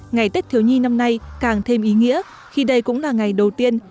ngày tết thiếu nhi năm nay càng thêm ý nghĩa khi đây cũng là ngày đầu tiên